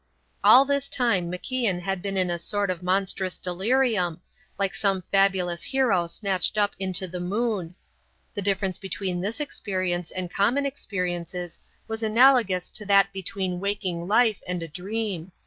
All this time MacIan had been in a sort of monstrous delirium, like some fabulous hero snatched up into the moon. The difference between this experience and common experiences was analogous to that between waking life and a dream.